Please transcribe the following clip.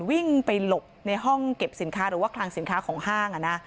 วิ่งไปหลบในห้องเก็บสินค้าหรือว่าคลังสินค้าของห้าง